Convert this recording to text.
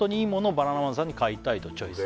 「バナナマンさんに買いたいとチョイス」